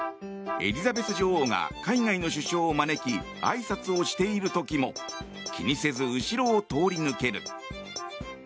エリザベス女王が海外の首相を招きあいさつをしている時も気にせず後ろを通り抜ける。